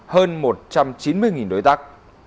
hơn một trăm chín mươi đối tác